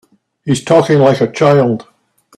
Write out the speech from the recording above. He's talking like a child.